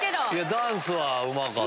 ダンスはうまかった。